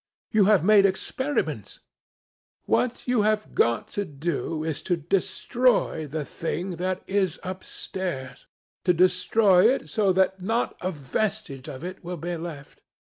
You have made experiments. What you have got to do is to destroy the thing that is upstairs—to destroy it so that not a vestige of it will be left.